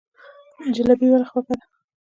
جلبي ولې خوږه ده؟